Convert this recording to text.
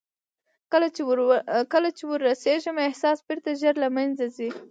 کله چې ور رسېږم احساس بېرته ژر له منځه ځي.